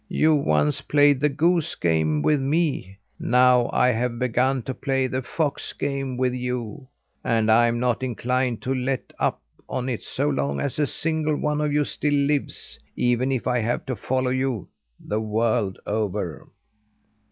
"You once played the goose game with me, now I have begun to play the fox game with you; and I'm not inclined to let up on it so long as a single one of you still lives even if I have to follow you the world over!"